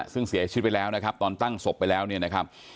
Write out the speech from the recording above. ซึ่งเสียชีวิตไปแล้วนะครับตอนตั้งศพไปแล้วเนี่ยนะครับ